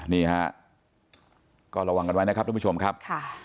นี่ฮะก็ระวังกันไว้นะครับทุกผู้ชมครับ